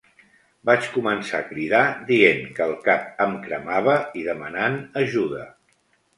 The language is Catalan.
Vaig començar a cridar dient que el cap em cremava i demanant ajuda.